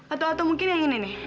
atau mungkin yang ini nih